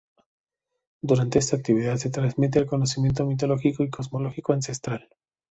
Durante esta actividad se transmite el conocimiento mitológico y cosmológico ancestral.